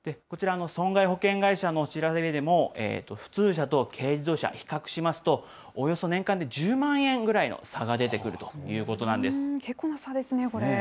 こちら、損害保険会社の調べでも、普通車と軽自動車、比較しますと、およそ年間で１０万円ぐらいの差が出てくるということなんです。